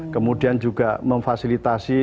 kemudian juga memfasilitasi